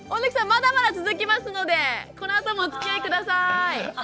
まだまだ続きますのでこのあともおつきあい下さい。